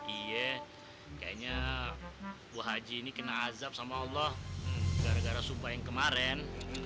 iya kayaknya bu haji ini kena azab sama allah gara gara sumpah yang kemarin